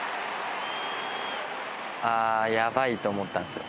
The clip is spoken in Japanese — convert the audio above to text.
ああやばいと思ったんですよ。